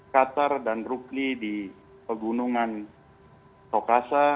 qatar dan rukli di pegunungan tokasa